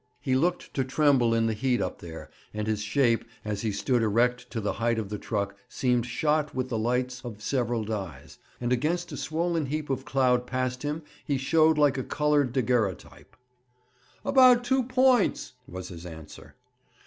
He looked to tremble in the heat up there, and his shape, as he stood erect to the height of the truck, seemed shot with the lights of several dyes, and against a swollen heap of cloud past him he showed like a coloured daguerreotype. 'About two points,' was his answer.